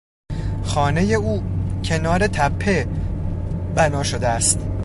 خانهی او کنار تپه بنا شده است.